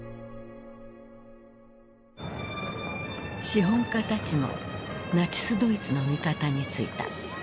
資本家たちもナチスドイツの味方についた。